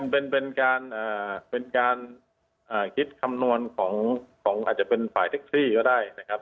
เป็นการคิดคำนวณของอาจจะเป็นฝ่ายแท็กซี่ก็ได้นะครับ